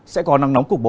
sẽ có năng nóng cục bộ